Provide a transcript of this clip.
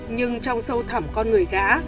nhưng trong sâu thẳm con người gã